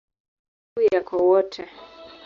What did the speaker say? Makao makuu yako Wote.